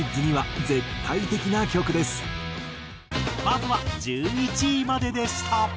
まずは１１位まででした。